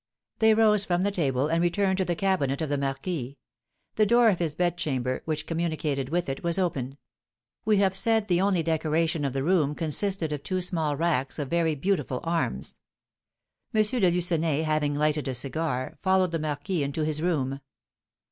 They rose from the table, and returned to the cabinet of the marquis. The door of his bedchamber, which communicated with it, was open. We have said the only decoration of the room consisted of two small racks of very beautiful arms. M. de Lucenay, having lighted a cigar, followed the marquis into his room.